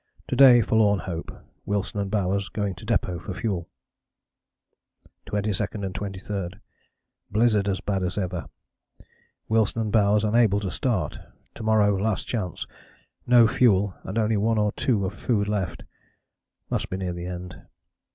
To day forlorn hope, Wilson and Bowers going to depôt for fuel." "22 and 23. Blizzard bad as ever Wilson and Bowers unable to start to morrow last chance no fuel and only one or two of food left must be near the end.